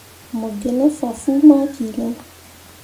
Mo gi ne fah fuu ma ki ne.